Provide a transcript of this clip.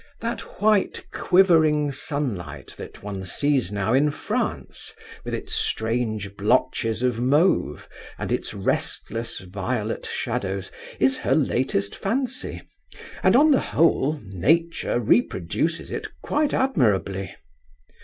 That white quivering sunlight that one sees now in France, with its strange blotches of mauve, and its restless violet shadows, is her latest fancy, and, on the whole, Nature reproduces it quite admirably.